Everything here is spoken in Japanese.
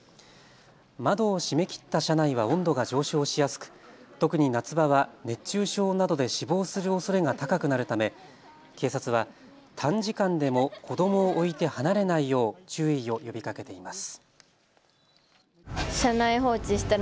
窓を閉めきった車内は温度が上昇しやすく、特に夏場は熱中症などで死亡するおそれが高くなるため警察は短時間でも子どもを置いて離れないよう注意を呼びかけています。